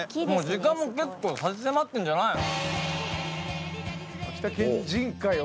時間も結構差し迫ってんじゃないの？